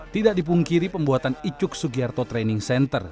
tidak dipungkiri pembuatan icuk sugiharto training center